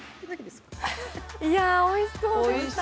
いや、おいしそうでした。